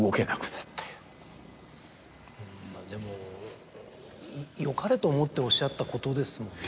でもよかれと思っておっしゃったことですもんね。